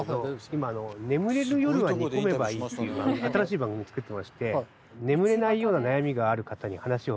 今「眠れぬ夜は煮込めばいい」っていう新しい番組作ってまして眠れないような悩みがある方に話を。